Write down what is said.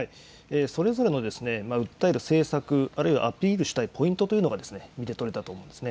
それぞれのですね、訴える政策、あるいはアピールしたいポイントというのが見て取れたと思うんですね。